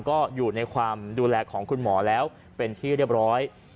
ก็อยู่ในความดูแลของคุณหมอแล้วเป็นที่เรียบร้อย